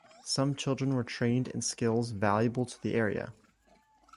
Some children were trained in skills valuable to the area.